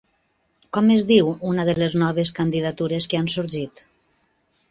Com es diu una de les noves candidatures que han sorgit?